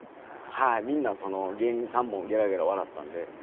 みんな芸人さんもゲラゲラ笑ったんで。